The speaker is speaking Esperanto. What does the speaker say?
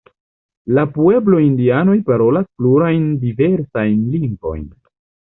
La pueblo-indianoj parolas plurajn diversajn lingvojn.